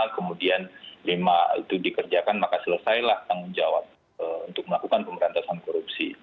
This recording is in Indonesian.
kemudian lima itu dikerjakan maka selesailah tanggung jawab untuk melakukan pemberantasan korupsi